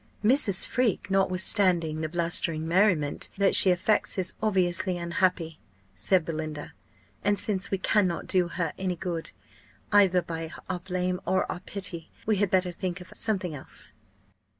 "Mrs. Freke, notwithstanding the blustering merriment that she affects, is obviously unhappy," said Belinda; "and since we cannot do her any good, either by our blame or our pity, we had better think of something else."